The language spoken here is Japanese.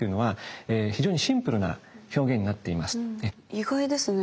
意外ですね。